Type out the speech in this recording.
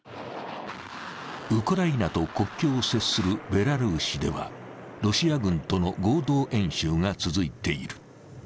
ウクライナと国境を接するベラルーシではロシア軍との合同演習が続いている。